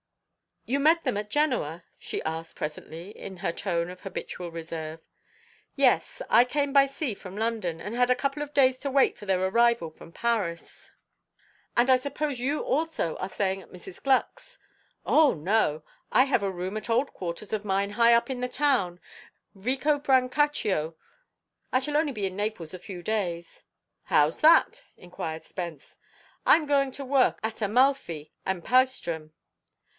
"You met them at Genoa?" she asked presently, in her tone of habitual reserve. "Yes. I came by sea from London, and had a couple of days to wait for their arrival from Paris." "And I suppose you also are staying at Mrs. Gluck's?" "Oh no! I have a room at old quarters of mine high up in the town, Vico Brancaccio. I shall only be in Naples a few days." "How's that?" inquired Spence. "I'm going to work at Amalfi and Paestum."